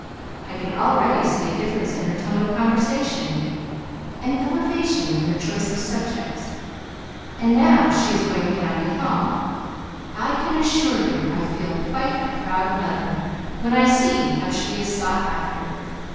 I can already see a difference in her tone of conversation: an elevation in her choice of subjects. And now she is going to Hamley Hall. I can assure you I feel quite a proud mother, when I see how she is sought after.